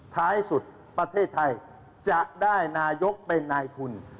ท้ายสุดประเทศไทยจะได้นายทุน